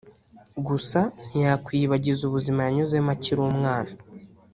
gusa ntiyakwiyibagiza ubuzima yanyuzemo akiri umwana